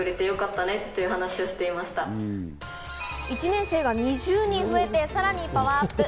１年生が２０人増えてさらにパワーアップ。